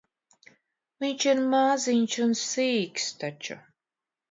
Viņš ir maziņš un sīks taču.